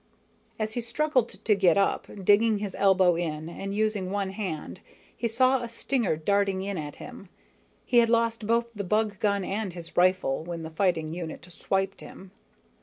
As he struggled to get up, digging his elbow in and using one hand, he saw a stinger darting in at him. He had lost both the bug gun and his rifle when the fighting unit swiped him.